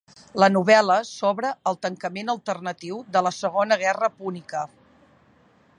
La novel·la s'obre al tancament alternatiu de la Segona Guerra Púnica.